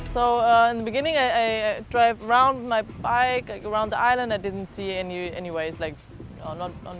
saya tidak tahu bagaimana untuk menempatkan wisatawan